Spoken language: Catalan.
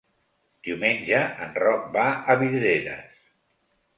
Diumenge en Roc va a Vidreres.